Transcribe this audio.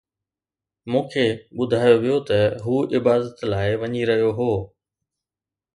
مون کي ٻڌايو ويو ته هو عبادت لاءِ وڃي رهيو هو